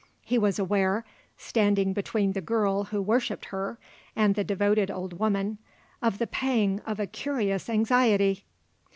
He was aware, standing between the girl who worshipped her and the devoted old woman, of the pang of a curious anxiety.